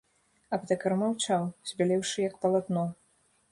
Аптэкар маўчаў, збялеўшы як палатно.